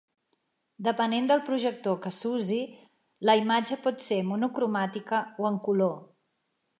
Depenent del projector que s'usi, la imatge pot ser monocromàtica o en color.